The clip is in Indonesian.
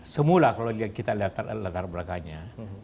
semula kalau kita lihat latar belakangnya